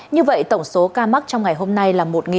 như vậy tổng số ca mắc trong ngày hôm nay là một sáu trăm hai mươi năm